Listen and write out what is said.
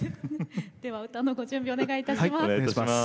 では歌のご準備お願いいたします。